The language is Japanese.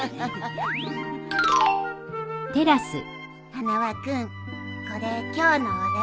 花輪君これ今日のお礼。